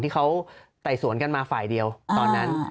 ที่เขาไต่สวนกันมาฝ่ายเดียวตอนนั้น